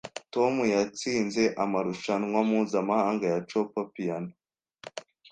Tom yatsinze amarushanwa mpuzamahanga ya Chopin Piyano